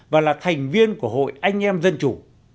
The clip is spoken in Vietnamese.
và là thành viên của hội anh em dân chủ